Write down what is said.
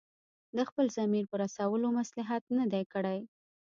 د خپل ضمیر په رسولو مصلحت نه دی کړی.